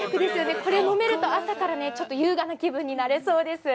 これ飲めると、朝から優雅な気分になれそうです。